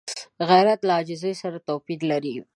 غیرت له عاجزۍ سره توپیر لري